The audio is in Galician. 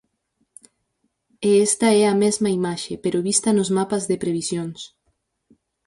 E esta é a mesma imaxe, pero vista nos mapas de previsións.